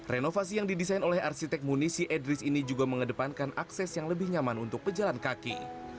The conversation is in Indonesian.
renovasi yang didesain oleh arsitek munisi edris ini juga mengedepankan akses yang lebih nyaman untuk pejalan kaki